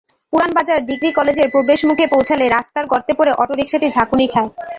পুরান বাজার ডিগ্রি কলেজের প্রবেশমুখে পৌঁছালে রাস্তার গর্তে পড়ে অটোরিকশাটি ঝাঁকুনি খায়।